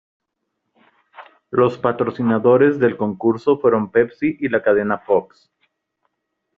Los patrocinadores del concurso fueron Pepsi y la cadena Fox.